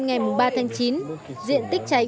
ngày ba tháng chín diện tích cháy